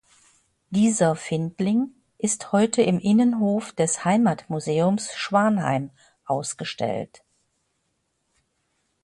Dieser Findling ist heute im Innenhof des Heimatmuseums Schwanheim ausgestellt.